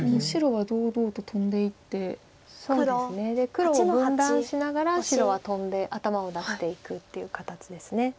黒を分断しながら白はトンで頭を出していくっていう形です。